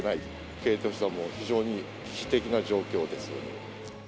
経営としては非常に危機的な状況ですよね。